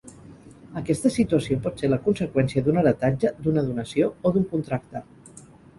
Aquesta situació pot ser la conseqüència d'un heretatge, d'una donació o d'un contracte.